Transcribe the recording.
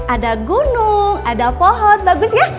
ada gunung ada pohon bagus ya